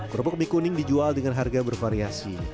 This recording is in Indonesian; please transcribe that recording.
kerupuk mie kuning dijual dengan harga bervariasi